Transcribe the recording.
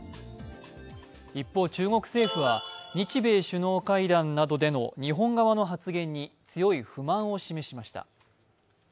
一方中国政府は日米首脳会談などでの日本側の発言に強い不満を示しました。